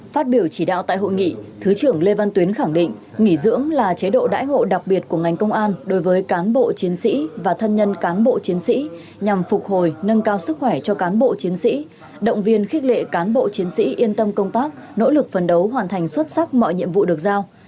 phát biểu chỉ đạo tại hội nghị thứ trưởng lê văn tuyến khẳng định nghỉ dưỡng là chế độ đãi ngộ đặc biệt của ngành công an đối với cán bộ chiến sĩ và thân nhân cán bộ chiến sĩ nhằm phục hồi nâng cao sức khỏe cho cán bộ chiến sĩ động viên khích lệ cán bộ chiến sĩ yên tâm công tác nỗ lực phấn đấu hoàn thành xuất sắc mọi nhiệm vụ được giao